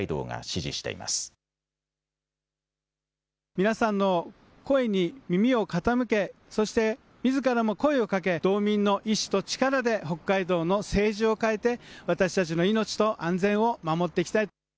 皆さんの声に耳を傾け、そしてみずからも声をかけ、道民の意思と力で北海道の政治を変えて私たちの命と安全を守っていきたい。